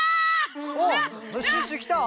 あっシュッシュきた！